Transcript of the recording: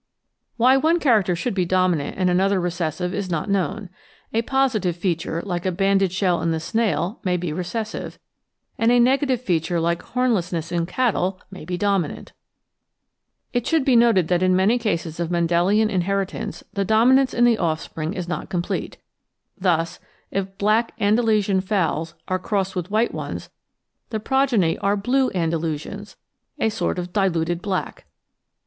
Why one character should be dominant and another recessive is not known ; a positive f eatiure, like a banded shell in the snail, may be recessive; and a negative feature, like homlessness in cattle, may be dominant. It should be noted that in many cases of Mendelian inher itance the dominance in the offspring is not complete; thus, if black Andalusian fowls be crossed with white ones the progeny are "blue" Andalusians — a sort of diluted black.